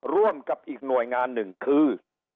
ร่วมกับอีกหน่วยงานหนึ่งคือ